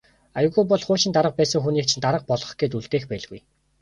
Аягүй бол хуучин дарга байсан хүнийг чинь дарга болгох гээд үлдээх байлгүй.